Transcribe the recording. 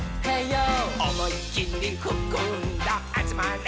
「おもいきりふくんだあつまれ」